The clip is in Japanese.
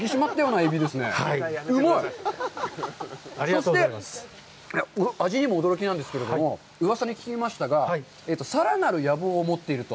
そして、味にも驚きなんですけれども、うわさに聞きましたが、さらなる野望を持っていると？